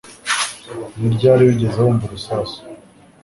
Ni ryari wigeze wumva urusasu?